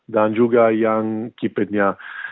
dan juga yang kipetnya